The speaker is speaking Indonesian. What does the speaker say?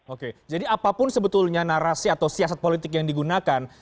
oke jadi apapun sebetulnya narasi atau siasat politik yang digunakan